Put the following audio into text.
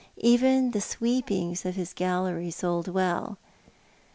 Even the sweepings of his gallery sold well.